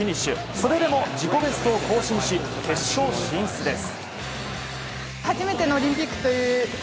それでも自己ベストを更新し決勝進出です。